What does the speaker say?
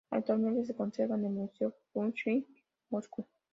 Actualmente se conserva en el Museo Pushkin, Moscú.